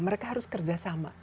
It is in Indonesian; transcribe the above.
mereka harus kerjasama